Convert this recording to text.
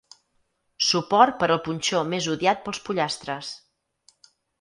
Suport per al punxó més odiat pels pollastres.